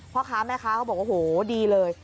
พ่อค้าแม่ค้าเขาบอกโอ้โหดีเลย